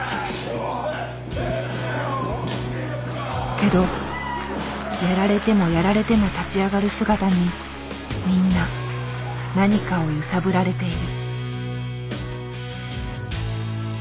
けどやられてもやられても立ち上がる姿にみんな何かを揺さぶられている。